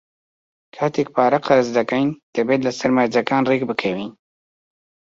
کاتێک پارە قەرز دەکەین، دەبێت لەسەر مەرجەکان ڕێکبکەوین.